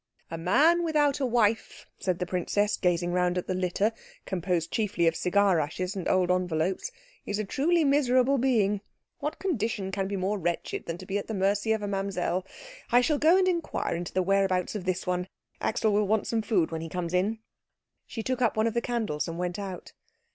"A man without a wife," said the princess, gazing round at the litter, composed chiefly of cigar ashes and old envelopes, "is a truly miserable being. What condition can be more wretched than to be at the mercy of a Mamsell? I shall go and inquire into the whereabouts of this one. Axel will want some food when he comes in." She took up one of the candles and went out.